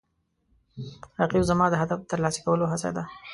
رقیب زما د هدف ترلاسه کولو هڅه ده